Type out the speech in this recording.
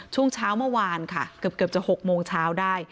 ช่วงเช้าเมื่อวานค่ะเกือบจะ๖โมงเช้าได้